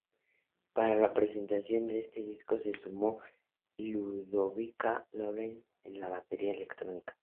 Para la presentación de este disco, se sumó Ludovica Morell en la batería electrónica.